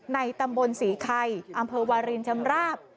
ในตำบลศรีไข่อำเภอวารินชำราบ